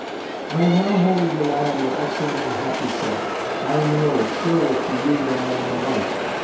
"I will now wholly rely on your excellent and happy self.... I am yours surer to you than my own life.